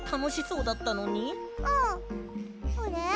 うん。あれ？